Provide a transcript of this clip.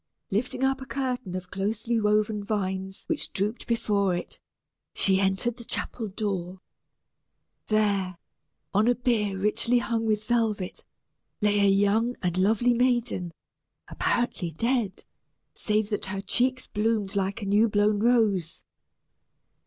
Lifting up a curtain of closely woven vines which drooped before it, she entered the chapel door. There, on a bier richly hung with velvet, lay a young and lovely maiden, apparently dead, save that her cheeks bloomed like a new blown rose.